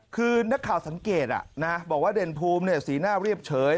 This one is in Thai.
คือนักข่าวสังเกตบอกว่าเด่นภูมิสีหน้าเรียบเฉย